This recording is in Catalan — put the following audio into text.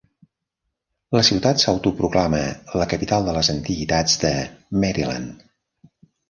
La ciutat s'autoproclama la "Capital de les antiguitats de Maryland".